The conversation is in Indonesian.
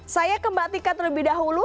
saya kembatikan lebih dahulu